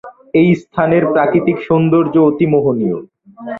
এই স্থানের প্রাকৃতিক সৌন্দর্য্য অতি মোহনীয়।